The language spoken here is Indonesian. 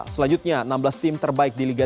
selanjutnya enam belas tim terbaik di liga dua